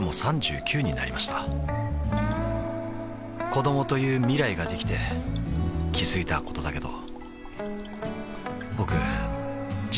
子どもという未来ができて気づいたことだけど